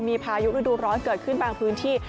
มีพายุฤดูร้อนเกิดขึ้นบางพื้นที่